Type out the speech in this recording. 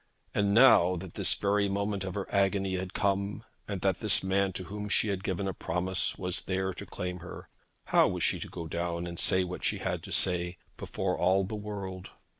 And now that this very moment of her agony had come, and that this man to whom she had given a promise was there to claim her, how was she to go down and say what she had to say, before all the world?